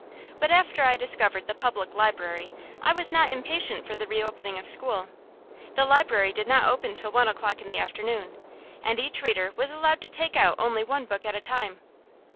But after I discovered the public library I was not impatient for the reopening of school. The library did not open till one o'clock in the afternoon, and each reader was allowed to take out only one book at a time.